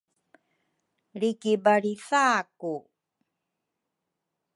lri kibalritha ku